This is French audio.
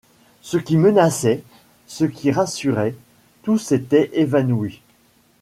Ce qui menaçait, ce qui rassurait, tout s’était évanoui.